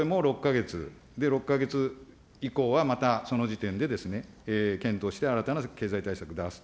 これも６か月、で、６か月以降はまたその時点でですね、検討して、新たな経済対策出す。